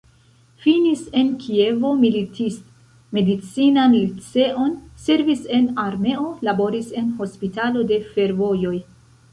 Finis en Kievo militist-medicinan liceon, servis en armeo, laboris en hospitalo de fervojoj.